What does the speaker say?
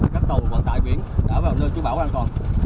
các tàu quản tại biển đã vào nơi chú bảo an toàn